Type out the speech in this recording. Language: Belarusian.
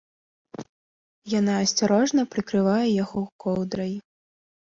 Яна асцярожна прыкрывае яго коўдрай.